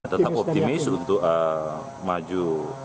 tetap optimis untuk maju